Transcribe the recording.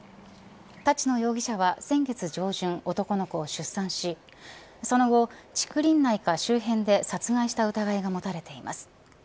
立野容疑者は先月上旬、男の子を出産しその後、竹林内か周辺で殺害した疑いが持たれています。